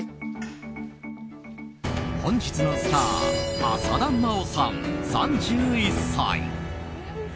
本日のスター浅田真央さん、３１歳。